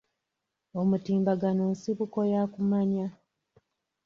Omutimbagano nsibuko ya kumanya.